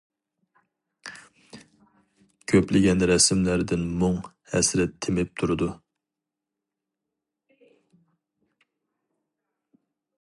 كۆپلىگەن رەسىملەردىن مۇڭ، ھەسرەت تېمىپ تۇرىدۇ.